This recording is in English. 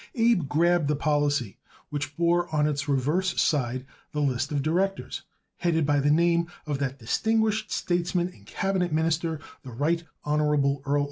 Abe grabbed the policy, which bore on its reverse side the list of directors headed by the name of that distinguished statesman and Cabinet minister, the Rt. Hon.